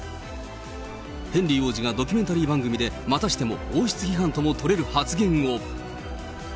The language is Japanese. ヘンリー王子がドキュメンタリー番組で、またしても王室批判とも取れる発言を。